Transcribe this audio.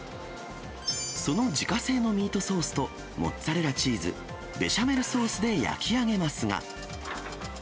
その自家製のミートソースとモッツァレラチーズ、ベシャメルソースで焼き上げますが。